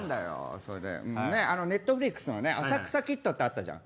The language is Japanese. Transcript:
Ｎｅｔｆｌｉｘの浅草キッドってあったじゃん。